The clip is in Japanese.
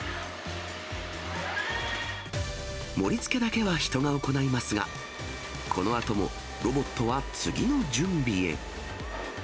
盛りつけだけは人が行いますが、このあともロボットは次の準備へ。